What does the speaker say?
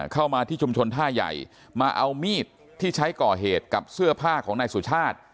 เข้ามาที่ชุมชนท่าใหญ่มาเอามีดที่ใช้ก่อเหตุกับเสื้อผ้าของนายสุชาติ